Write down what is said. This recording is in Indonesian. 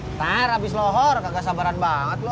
ntar abis lohor kagak sabaran banget lu ah